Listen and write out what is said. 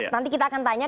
nanti kita akan tanya